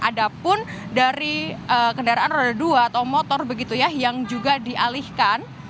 ada pun dari kendaraan roda dua atau motor begitu ya yang juga dialihkan